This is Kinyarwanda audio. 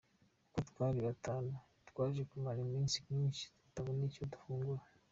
Uko twari batanu, twaje kumara iminsi myinshi tutabona icyo dufungura.